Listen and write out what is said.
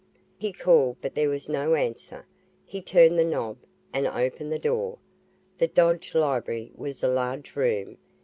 He called but there was no answer. He turned the knob and opened the door. The Dodge library was a large room.